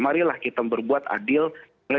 marilah kita berbuat adil